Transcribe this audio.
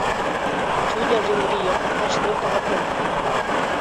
Chulla rinriyuq ashnuta apamuy.